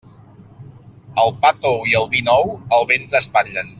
El pa tou i el vi nou el ventre espatllen.